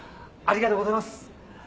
ありがとうございます